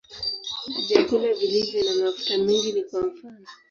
Vyakula vilivyo na mafuta mengi ni kwa mfano.